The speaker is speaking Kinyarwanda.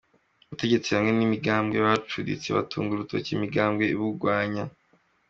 Ubutegetsi hamwe n'imigambwe bacuditse batunga urutoke imigambwe ibugwanya.